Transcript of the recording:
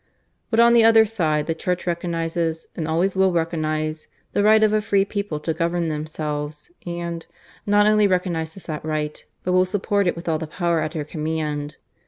"But on the other side the Church recognizes, and always will recognize, the right of a free people to govern themselves; and, not only recognizes that right, but will support it with all the power at her command.